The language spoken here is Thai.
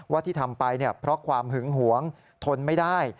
ที่ทำไปเพราะความหึงหวงทนไม่ได้